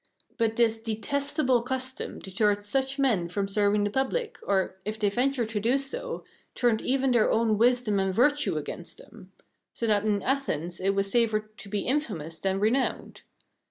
But this detestable custom deterred such men from serving the public, or, if they ventured to do so, turned even their own wisdom and virtue against them; so that in Athens it was safer to be infamous than renowned.